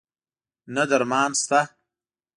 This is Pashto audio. نه درد مان شته